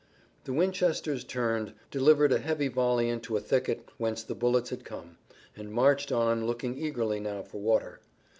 The Winchesters turned, delivered a heavy volley into a thicket, whence the bullets had come, and marched on, looking eagerly now for water.